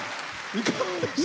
いかがでしたか？